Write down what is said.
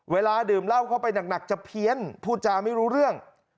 เวลาดื่มเหล้าเข้าไปหนักจะเพี้ยนพูดจาไม่รู้เรื่อง